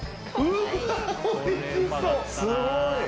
すごい！